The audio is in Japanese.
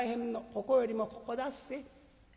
ここよりもここだっせ。